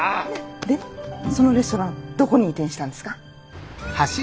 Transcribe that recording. でそのレストランどこに移転したんですか？